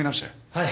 はい。